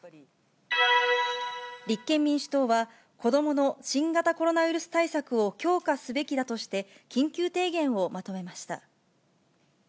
立憲民主党は、子どもの新型コロナウイルス対策を強化すべきだとして、緊急提言をまとめました。